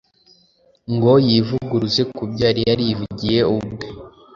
ngo yivuguruze ku byo yari yarivugiye ubwe